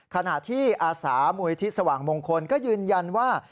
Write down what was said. ขณะที่อาสามูลที่สว่างมงคลก็ยืนยันว่า